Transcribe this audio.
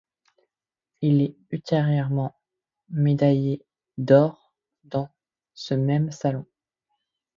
Il est ultérieurement médaillé d'or dans ce même Salon.